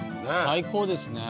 最高ですね。